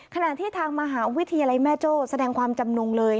ขณะที่ทางมหาวิทยาลัยแม่โจ้แสดงความจำนงเลย